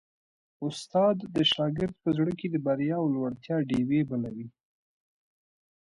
استاد د شاګرد په زړه کي د بریا او لوړتیا ډېوې بلوي.